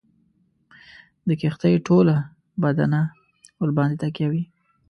د کښتۍ ټوله بدنه ورباندي تکیه وي.